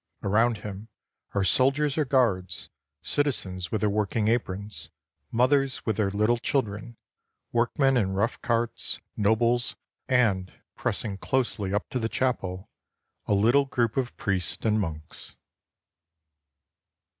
Around him are soldiers or guards, citizens with their working aprons, mothers with their little children, workmen in rough carts, nobles, and, pressing closely up to the chapel, a little group of priests and monks.